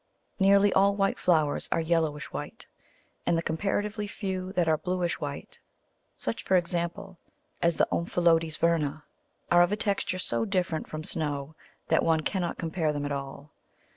Nearly all white flowers are yellowish white, and the comparatively few that are bluish white, such, for example, as Omphalodes verna, are of a texture so different from snow that one cannot compare them at all.